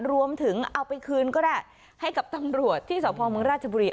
เอาไปคืนก็ได้ให้กับตำรวจที่สพเมืองราชบุรี